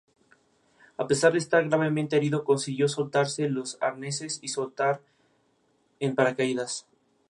Weigel se encuentra dentro de la parte sureste de la Cuenca Schiller-Zucchius.